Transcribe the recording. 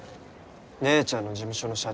姉ちゃんの事務所の社長。